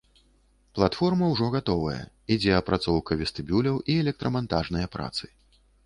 Платформа ўжо гатовая, ідзе апрацоўка вестыбюляў і электрамантажныя працы.